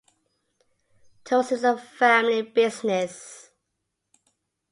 Torus is a family business.